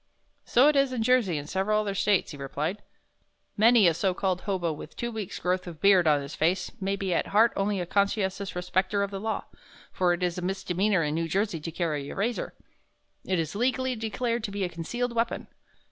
"So it is in Jersey and several other States," he replied. "Many a so called hobo with two weeks' growth of beard on his face may be at heart only a conscientious respecter of the law for it is a misdemeanor in New Jersey to carry a razor. It is legally declared to be a concealed weapon.